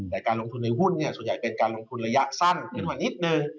แต่การลงทุนในหุ้นส่วนใหญ่เป็นการลงทุนระยะสั้นขึ้นมานิดนึง